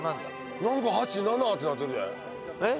何か８７ってなってるでえっ？